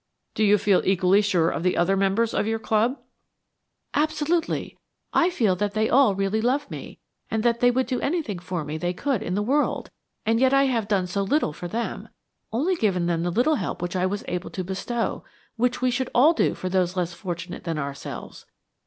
Do you feel equally sure of the other members of your Club?" "Absolutely. I feel that they all really love me; that they would do anything for me they could in the world, and yet I have done so little for them only given them the little help which I was able to bestow, which we should all do for those less fortunate than ourselves....